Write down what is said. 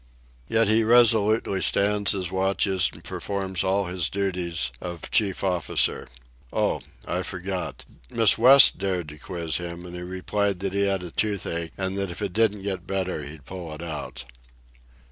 Yet he resolutely stands his watches and performs all his duties of chief officer. Oh, I forgot. Miss West dared to quiz him, and he replied that he had a toothache, and that if it didn't get better he'd pull it out.